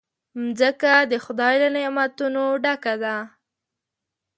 مځکه د خدای له نعمتونو ډکه ده.